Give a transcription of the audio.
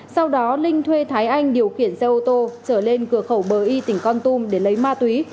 sau đó linh thuê thái anh điều khiển xe ô tô trở lên cửa khẩu bờ y tỉnh con tum để lấy ma túy